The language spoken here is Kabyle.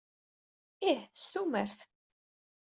Ih, s tumert.